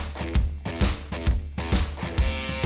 itu lebih kecil daripada widyatantan